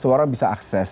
semua orang bisa akses